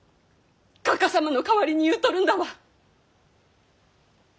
かか様の代わりに言うとるんだわ！